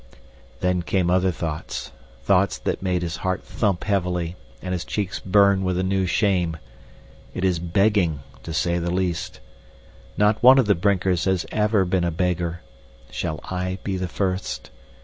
Then came other thoughts thoughts that made his heart thump heavily and his cheeks burn with a new shame. It is BEGGING, to say the least. Not one of the Brinkers has ever been a beggar. Shall I be the first?